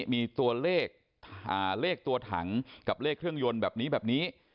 มีตัวเลขเลขตัวถังกับเลขเครื่องยนต์แบบนี้แบบนี้